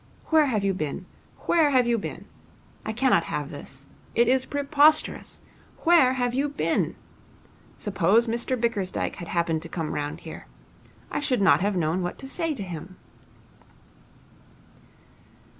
Where have you been? Where have you been? I cannot have this. It is preposterous. Where have you been? Suppose Mr Bickersdyke had happened to come round here. I should not have known what to say to him.'